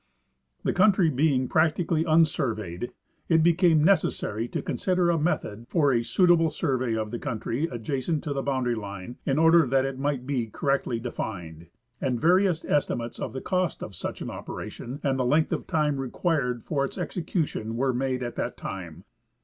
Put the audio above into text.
The countr^Hoeing practi cally unsurveyed, it became necessary to consider a method for a suitable survey of the country adjacent to the boundary line in order that it might be correctly defined, and various estimates of the cost of such an operation and the length of time required for its execution were made at that time.